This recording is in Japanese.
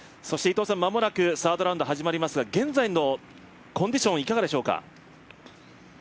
間もなくサードラウンド始まりますが現在のコンディションいかがでしょうか？